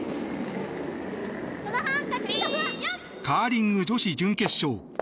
カーリング女子準決勝。